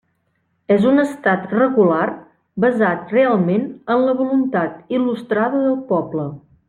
És un estat regular basat realment en la voluntat il·lustrada del poble.